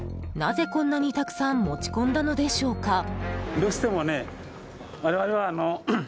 なぜ、こんなにたくさん持ち込んだのでしょうか。